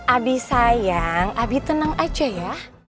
abi sayang abi tenang aja ya